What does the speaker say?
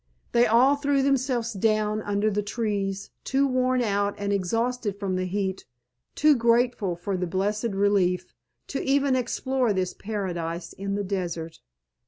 They all threw themselves down under the trees too worn out and exhausted from the heat, too grateful for the blessed relief, to even explore this Paradise in the desert.